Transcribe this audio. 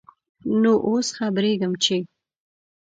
نوو اوس خبريږم ، چې ...